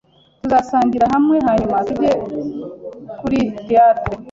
Tuzasangira hamwe hanyuma tujye kuri theatre.